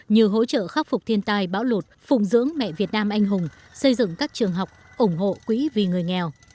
như hỗ trợ khắc phục thiên tai bão lột phùng dưỡng mẹ việt nam anh hùng xây dựng các trường học ủng hộ quỹ vì người nghèo